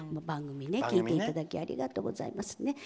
番組聴いていただきありがとうございます。